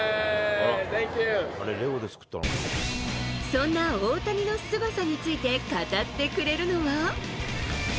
そんな大谷のすごさについて、語ってくれるのは。